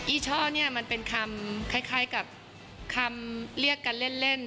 อช่อเนี่ยมันเป็นคำคล้ายกับคำเรียกกันเล่น